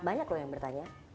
banyak loh yang bertanya